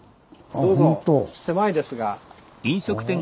どうぞ狭いですが。